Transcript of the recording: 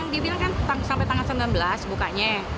dibilang kan sampai tanggal sembilan belas bukanya